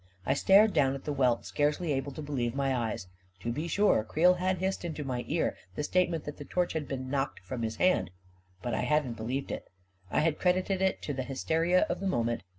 I stared down at the welt, scarcely able to believe my eyes. To be sure, Creel had hissed into my ear the statement that the torch had been knocked from his hand — but I hadn't believed it — I had cred ited it to the hysteria of the moment.